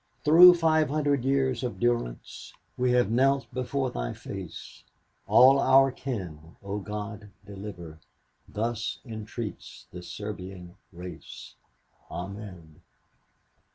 Through five hundred years of durance We have knelt before Thy face, All our kin, O God! deliver! Thus entreats the Serbian race. Amen."